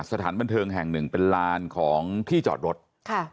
สถานบันเทิงแห่งหนึ่งเป็นลานของที่จอดรถค่ะ